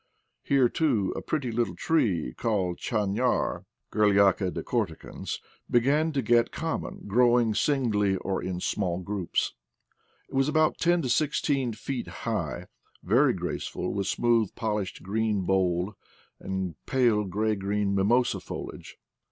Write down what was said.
Here, too, a pretty little tree called chanar (Gur liaca decorticans), began to get common, growing singly or in small groups. It was about ten to sixteen feet high, very graceful, with smooth pol ished green bole, and pale gray green mimosa foliage.